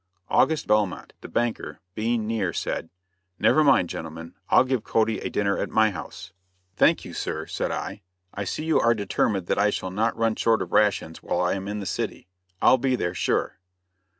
August Belmont, the banker, being near said: "Never mind, gentlemen, I'll give Cody a dinner at my house." "Thank you, sir," said I; "I see you are determined that I shall not run short of rations while I am in the city. I'll be there, sure."